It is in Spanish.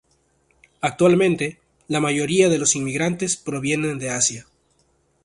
Actualmente, la mayoría de los inmigrantes provienen de Asia.